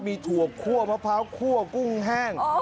มีถั่วคั่วมะพร้าวคั่วกุ้งแห้ง